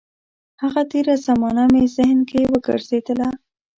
هغه تېره زمانه مې ذهن کې وګرځېدله.